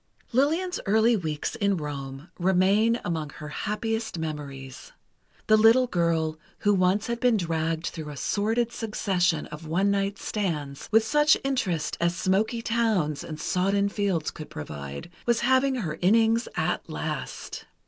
Lillian's early weeks in Rome remain among her happiest memories. The little girl who once had been dragged through a sordid succession of one night stands, with such interest as smoky towns and sodden fields could provide, was having her innings at last.